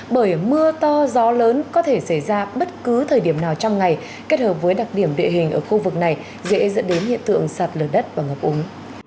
bởi mưa to gió lớn có thể xảy ra bất cứ thời điểm nào trong ngày kết hợp với đặc điểm địa hình ở khu vực này dễ dẫn đến hiện tượng sạt lở đất và ngập úng